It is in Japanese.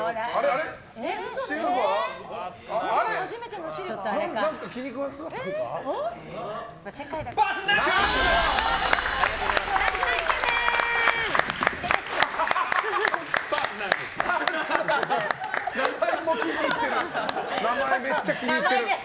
名前、めっちゃ気に入ってる。